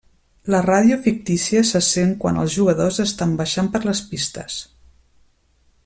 La ràdio fictícia se sent quan els jugadors estan baixant per les pistes.